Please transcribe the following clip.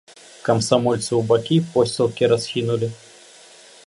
Камсамольцы ў бакі посцілкі расхінулі.